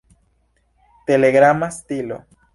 Telegrama stilo.